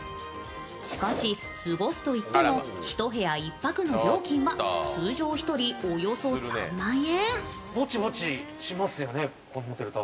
しかし、過ごすといっても１部屋１泊の料金は通常１人およそ３万円。